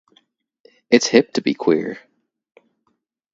It's hip to be queer!